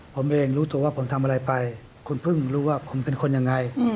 ผมเองรู้ตัวว่าผมทำอะไรไปคุณเพิ่งรู้ว่าผมเป็นคนยังไง